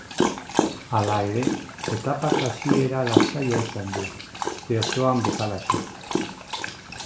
Hala ere, etapak hasiera lasaia izan du, aste osoan bezalaxe.